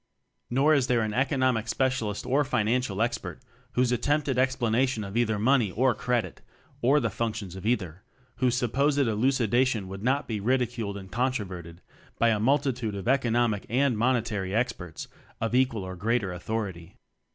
Nor is there an Economic Specialist or Financial Expert whose attempted explanation of either "money" or "credit" (or the functions of either) whose supposed elucidation would not be ridiculed and controverted by a multitude of Economic and Mone tary Experts of equal or greater au thority.